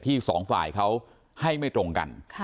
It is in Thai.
สองฝ่ายเขาให้ไม่ตรงกัน